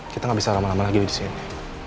kita gak bisa lama lama lagi disini